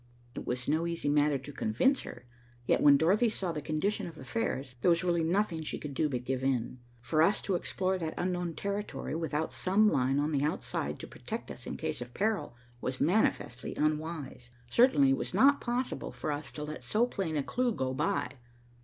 It was no easy matter to convince her, yet when Dorothy saw the condition of affairs, there was really nothing she could do but give in. For us to explore that unknown territory, without some line on the outside to protect us in case of peril, was manifestly unwise. Certainly it was not possible for us to let so plain a clue go by.